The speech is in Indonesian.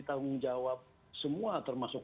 tanggung jawab semua termasuk